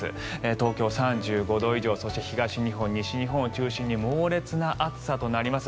東京は３５度以上そして東日本、西日本を中心に猛烈な暑さとなります。